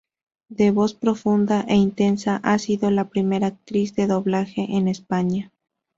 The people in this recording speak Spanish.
De voz profunda e intensa, ha sido la primera actriz de doblaje en España.